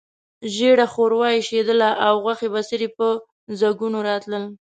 ژېړه ښوروا اېشېدله او غوښې بڅري په ځګونو راتلل.